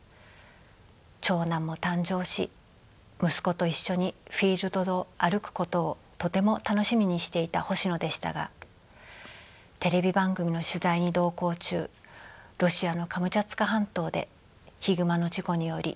長男も誕生し息子と一緒にフィールドを歩くことをとても楽しみにしていた星野でしたがテレビ番組の取材に同行中ロシアのカムチャツカ半島でヒグマの事故により急逝しました。